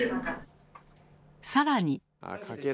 更に。